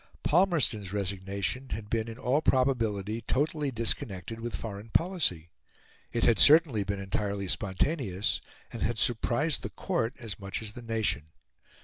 Palmerston's resignation had been in all probability totally disconnected with foreign policy; it had certainly been entirely spontaneous, and had surprised the Court as much as the nation.